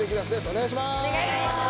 お願いします！